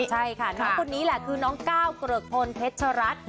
ใช่ค่ะน้องคนนี้แหละคือน้องก้าวเกริกพลเพชรัตน์